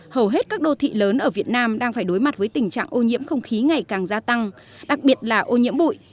hầu hết các đô thị lớn ở việt nam đang phải đối mặt với tình trạng ô nhiễm không khí ngày càng gia tăng đặc biệt là ô nhiễm bụi